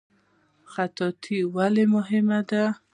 خطاطي ولې مهمه ده؟